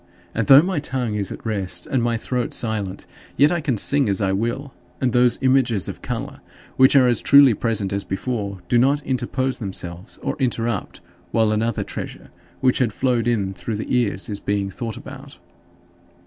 And though my tongue is at rest and my throat silent, yet I can sing as I will; and those images of color, which are as truly present as before, do not interpose themselves or interrupt while another treasure which had flowed in through the ears is being thought about.